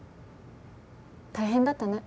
大変だったね。